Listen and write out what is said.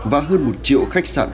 và hơn một triệu khách sạn